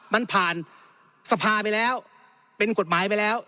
มันผ่านสภาไปแล้วเป็นกฎหมายไปแล้ว